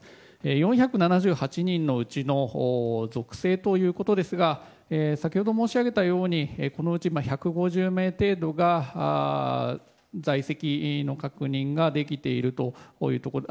４７８人のうちの属性ということですが先ほど申し上げたようにこのうち１５０名程度が在籍の確認ができているというところで。